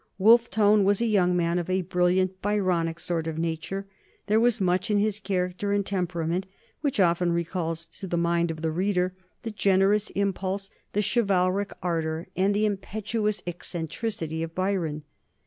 Wolfe Tone was a young man of a brilliant Byronic sort of nature. There was much in his character and temperament which often recalls to the mind of the reader the generous impulse, the chivalric ardor, and the impetuous eccentricity of Byron.